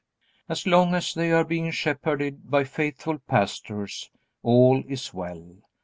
As long as they are being shepherded by faithful pastors, all is well.